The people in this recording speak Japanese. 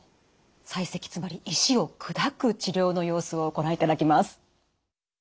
砕石つまり石を砕く治療の様子をご覧いただきます。